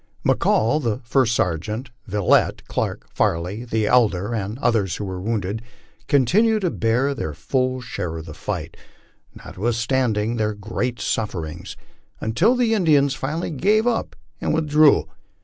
McCall, the First Sergeant, Vilott, Clark, Farley the elder, and others who were wounded, continued to bear their full share of the fight, not withstanding their great sufferings, until the Indians finally gave up and with drew.